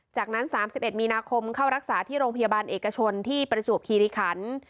จากนั้นสามสิบเอ็ดมีนาคมเขารักษาที่โรงพยาบาลเอกชนที่ปริสุพิธีขันต์